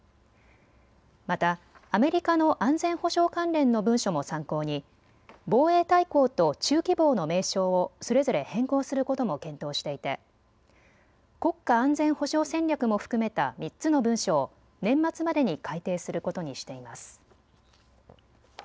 またアメリカの安全保障関連の文書も参考に防衛大綱と中期防の名称をそれぞれ変更することも検討していて、国家安全保障戦略も含めた３つの文書を年末までに改定することにしています。